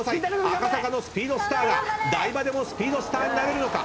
赤坂のスピードスターが台場でもスピードスターになれるのか？